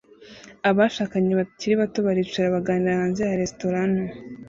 Abashakanye bakiri bato baricara baganira hanze ya resitora nto